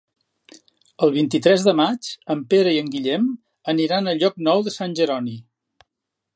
El vint-i-tres de maig en Pere i en Guillem aniran a Llocnou de Sant Jeroni.